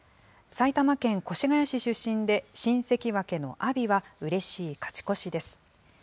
埼玉県越谷市出身で新関脇の阿炎は、うれしい勝ち越しです。